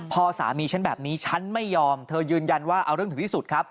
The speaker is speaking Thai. พอสามีฉันแบบนี้ฉันไม่ยอมเธอยืนยันว่าเอาเรื่องถึงที่สุดครับ